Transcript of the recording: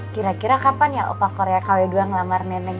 kira kira kapan ya upah korea kw dua ngelamar nenek